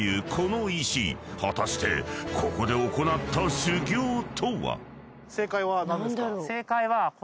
［果たしてここで行った修行とは？］